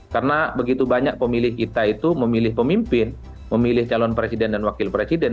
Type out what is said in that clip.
karena begitu banyak pemilih kita itu memilih pemimpin memilih calon presiden dan wakil presiden